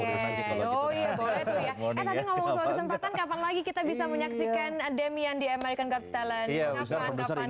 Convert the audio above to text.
eh tadi ngomongin soal kesempatan kapan lagi kita bisa menyaksikan demian di american gods talent